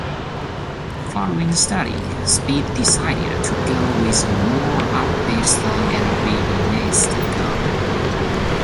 Following Steady, Speed decided to go with a more upbeat song and released Go!